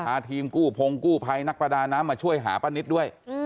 ทีมกู้พงกู้ภัยนักประดาน้ำมาช่วยหาป้านิตด้วย